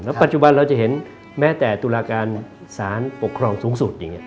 ปัจจุบันเราจะเห็นแม้แต่ตุลาการสารปกครองสูงสุดอย่างนี้